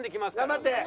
頑張って。